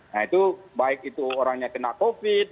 nah itu baik itu orangnya kena covid